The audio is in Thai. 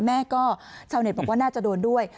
แม่ก็ชาวเน็ตบอกว่าน่าจะโดนด้วย